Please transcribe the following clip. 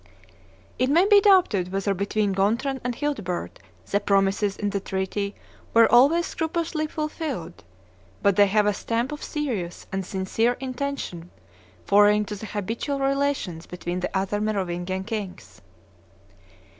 (Gregory of Tours, IX. xx.) It may be doubted whether between Gontran and Childebert the promises in the treaty were always scrupulously fulfilled; but they have a stamp of serious and sincere intention foreign to the habitual relations between the other Merovingian kings.